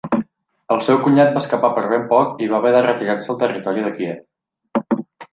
El seu cunyat va escapar per ben poc i va haver de retirar-se al territori de Kíev.